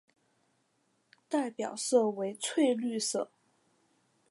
代表色为翠绿色。